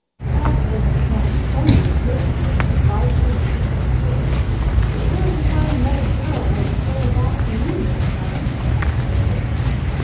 "Dogs doesn't count only with rich folks 'at rides 'em, an' feeds 'em cake; but where'll you find 'nother girl 'at ull spare her back for me, Mickey lovest?" asked Peaches.